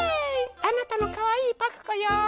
あなたのかわいいパクこよ。